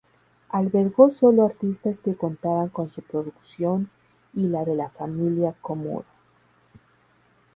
Albergó sólo artistas que contaban con su producción y la de la Familia Komuro.